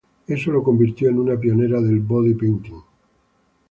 Eso la convirtió en una pionera del Body painting.